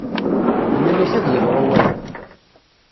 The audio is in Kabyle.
Nnan-ak ad yeḍru waya.